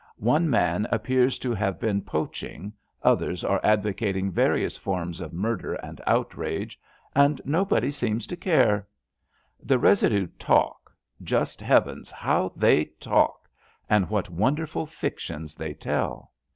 One man appears to have been poaching, others are advocating various forms of murder and outrage — and nobody seems to care. The residue talk — ^just heavens, how they talk, and what wonderful fictions they tell!